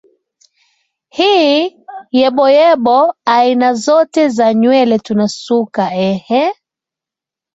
hii yeboyebo aina zote za nywele tunasuka eehee